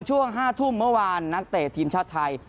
ช่วง๕ทุ่มเมื่อวานนักเตะทีมชาติไทย